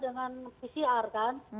dengan pcr kan